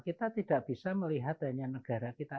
kita tidak bisa melihat hanya negara kita